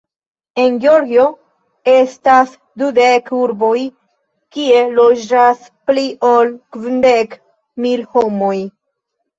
En Georgio estas dudek urboj, kie loĝas pli ol kvindek mil homoj.